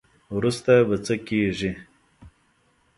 وروسته به څه کیږي.